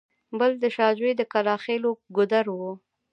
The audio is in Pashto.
بل د شاه جوی د کلاخېلو ګودر و.